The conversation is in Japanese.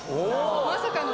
まさかの。